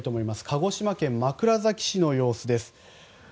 鹿児島県枕崎市の様子です。